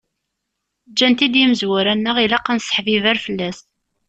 Ǧǧan-t-id yimezwura-nneɣ ilaq ad nesseḥbiber fell-as.